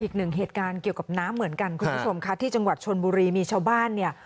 อีกหนึ่งเหตุการณ์เกี่ยวกับน้ำเหมือนกันคุณผู้ชมค่ะที่จังหวัดชนบุรีมีชาวบ้านเนี่ย